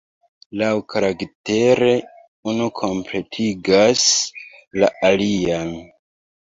Laŭkaraktere unu kompletigas la alian.